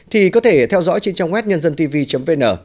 thì có thể theo dõi trên trang web nhân dân tv vn